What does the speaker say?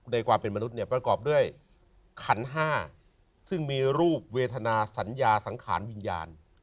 ในความเป็นมนุษย์เนี่ยประกอบด้วยขันห้าซึ่งมีรูปเวทนาสัญญาสังขารวิญญาณ